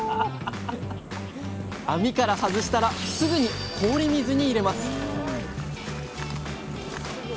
網から外したらすぐに氷水に入れます！